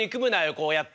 こうやって。